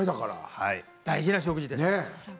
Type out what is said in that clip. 大事な食事です。